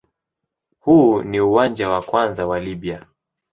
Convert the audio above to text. Huu ni uwanja wa kwanza wa Libya.